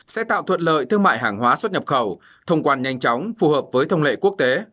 sẽ tạo thuận lợi thương mại hàng hóa xuất nhập khẩu thông quan nhanh chóng phù hợp với thông lệ quốc tế